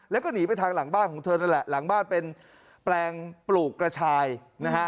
แล้วก็หนีไปทางหลังบ้านของเธอนั่นแหละหลังบ้านเป็นแปลงปลูกกระชายนะฮะ